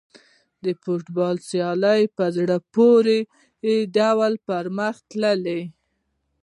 د فوټبال سیالۍ په زړه پورې ډول پرمخ تللې.